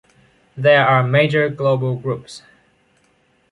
There are major global groups.